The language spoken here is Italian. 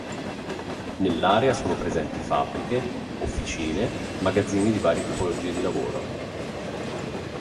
Nell'area sono presenti fabbriche, officine, magazzini di varie tipologie di lavoro.